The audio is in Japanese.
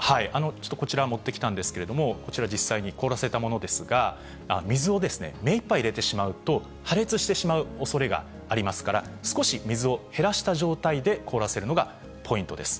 ちょっとこちら、持ってきたんですけれども、こちら実際に凍らせたものですが、水を目いっぱい入れてしまうと、破裂してしまうおそれがありますから、少し水を減らした状態で凍らせるのがポイントです。